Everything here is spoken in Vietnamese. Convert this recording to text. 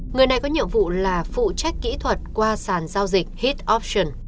người này có nhiệm vụ là phụ trách kỹ thuật qua sàn giao dịch hit oppion